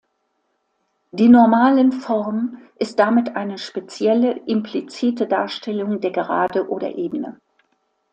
Die Normalenform ist damit eine spezielle implizite Darstellung der Gerade oder Ebene.